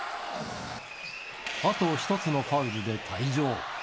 あと１つのファウルで退場。